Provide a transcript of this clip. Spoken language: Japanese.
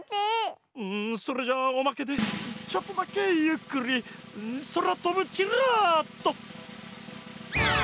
んそれじゃあおまけでちょっとだけゆっくりそらとぶチラッと！